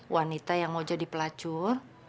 wanita yang mau jadi pelacur